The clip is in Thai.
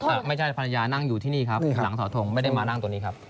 ไม่ใช่ภรรยานั่งอยู่ที่นี่ครับหลังสอทงไม่ได้มานั่งตรงนี้ครับ